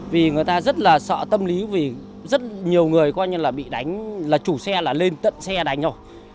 vì người ta rất là sợ tâm lý vì rất nhiều người coi như là bị đánh là chủ xe là lên tận xe đánh rồi